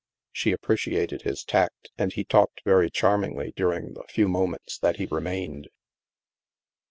She appre ciated his tact, and he talked very charmingly during the few moments that he remained.